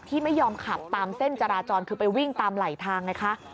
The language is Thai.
ที่ไม่ยอมขับตามเส้นจราจรคือไปวิ่งตามไหลทางไงคะ